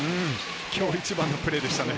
今日一番のプレーでしたね。